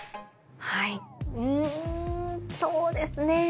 はいうんそうですね。